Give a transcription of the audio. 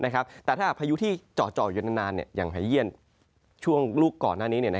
แต่ถ้าหากพายุที่เจาะอยู่นานอย่างหายเยี่ยนช่วงลูกก่อนหน้านี้